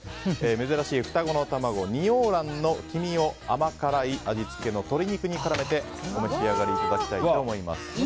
珍しい双子の卵、二黄卵の黄身を甘辛い味付けの鶏肉に絡めてお召し上がりいただきたいと思います。